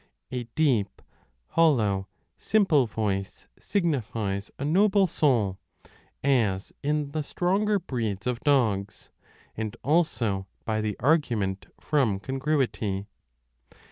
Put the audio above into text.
A deep, hollow, simple voice signifies a noble soul, 1 as in the stronger breeds of dogs, and also by the argument from congruity.